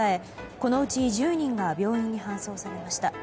このうち１０人が病院に搬送されました。